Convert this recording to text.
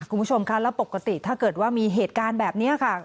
คุณผู้ชมคะแล้วปกติถ้าเกิดว่ามีเหตุการณ์แบบนี้ค่ะ